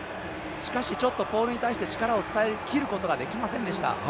しかし、ちょっとポールに対して力を伝えきることができませんでした。